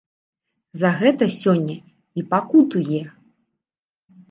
За гэта сёння і пакутуе.